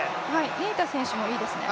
ネイタ選手もいいですね。